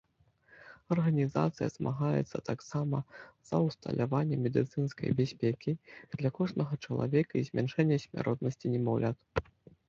Арганізацыя змагаецца таксама за ўсталяванне медыцынскай бяспекі для кожнага чалавека і змяншэння смяротнасці немаўлят.